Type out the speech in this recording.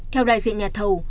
theo đại diện nhà thầu